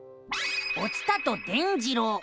「お伝と伝じろう」。